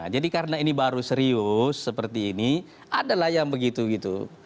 jadi karena ini baru serius seperti ini adalah yang begitu begitu